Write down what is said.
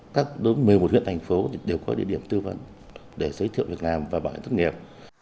các một mươi một huyện thành phố đều có địa điểm tư vấn để giới thiệu việt nam và bảo hiểm thất nghiệp